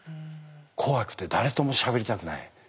怖くて誰ともしゃべりたくない。